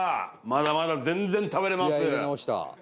まだまだ全然食べれます。